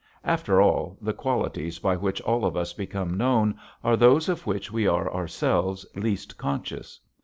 After all, the qualities by which all of us become known are those of which we are ourselves least conscious.